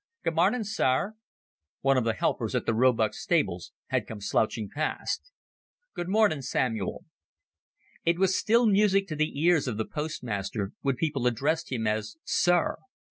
"Good marnin', sir." One of the helpers at the Roebuck stables had come slouching past. "Good mornin', Samuel." It was still music to the ears of the postmaster when people addressed him as "Sir."